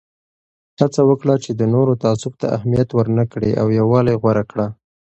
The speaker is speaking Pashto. هڅه وکړه چې د نورو تعصب ته اهمیت ورنه کړې او یووالی غوره کړه.